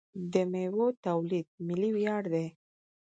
د میوو تولید ملي ویاړ دی.